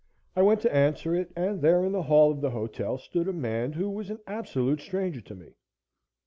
I went to answer it, and there in the hall of the hotel stood a man who was an absolute stranger to me.